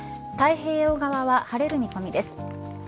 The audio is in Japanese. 太平洋側は晴れる見込みです。